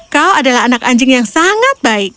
kau adalah anak anjing yang sangat baik